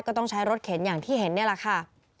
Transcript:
ก็ต้องใช้รถเข็นอย่างที่เห็นนี่แหละค่ะ